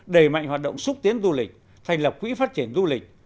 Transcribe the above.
đẩy mạnh hoạt động xúc tiến du lịch thành lập quỹ phát triển du lịch